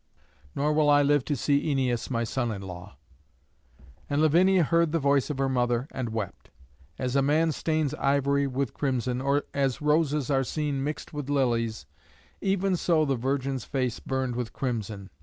Nor will I live to see Æneas my son in law." And Lavinia heard the voice of her mother, and wept. As a man stains ivory with crimson, or as roses are seen mixed with lilies, even so the virgin's face burned with crimson.